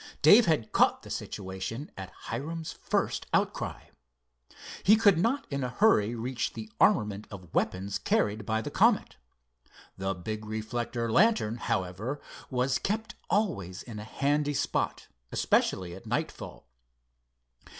Dave had caught the situation at Hiram's first outcry. He could not in a hurry reach the armament of weapons carried by the Comet. The big reflector lantern, however, was kept always in a handy spot, especially at nightfall.